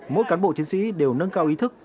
mỗi cán bộ chiến sĩ đều nâng cao ý thức